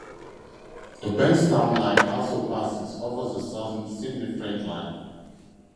The Bankstown line also passes over the Southern Sydney Freight Line.